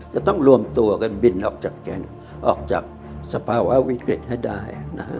จะต้องรวมตัวกันบินออกจากแก่งออกจากสภาวะวิกฤตให้ได้นะฮะ